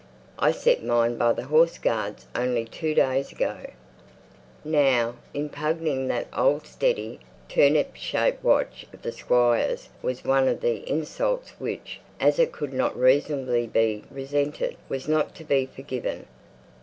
I set mine by the Horse Guards only two days ago." Now, impugning that old steady, turnip shaped watch of the Squire's was one of the insults which, as it could not reasonably be resented, was not to be forgiven.